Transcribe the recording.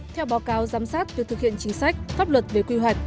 theo báo cáo giám sát việc thực hiện chính sách pháp luật về quy hoạch